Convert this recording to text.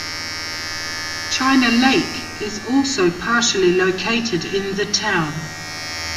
China Lake is also partially located in the town.